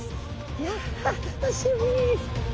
いや楽しみ。